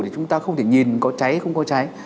để chúng ta không thể nhìn có cháy không có cháy